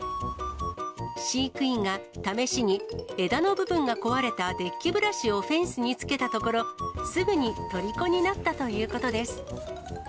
飼育員が試しに枝の部分が壊れたデッキブラシをフェンスにつけたところ、すぐにとりこになったということです。